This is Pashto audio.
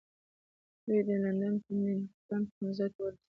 دوی د لندن پډینګټن تمځای ته ورسېدل.